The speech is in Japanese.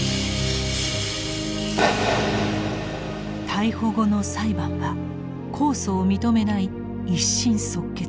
逮捕後の裁判は控訴を認めない一審即決。